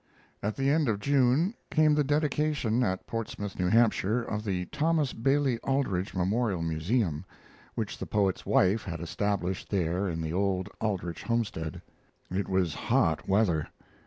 At the end of June came the dedication at Portsmouth, New Hampshire, of the Thomas Bailey Aldrich Memorial Museum, which the poet's wife had established there in the old Aldrich homestead. It was hot weather.